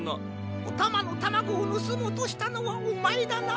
おたまのタマゴをぬすもうとしたのはおまえだな？